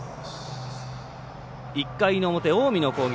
１回の表、近江の攻撃。